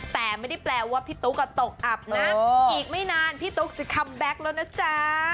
แต่ไม่ได้แปลว่าพี่ตุ๊กตกอับนะอีกไม่นานพี่ตุ๊กจะคัมแบ็คแล้วนะจ๊ะ